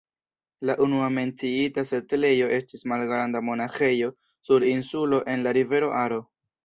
La unua menciita setlejo estis malgranda monaĥejo sur insulo en la rivero Aro.